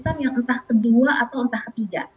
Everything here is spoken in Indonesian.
jadi emas itu yang entah kedua atau ketiga